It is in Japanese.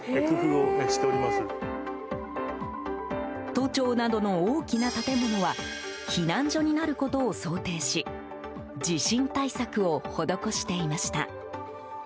都庁などの大きな建物は避難所になることを想定し地震対策を施していました。